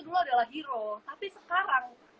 dulu adalah hero tapi sekarang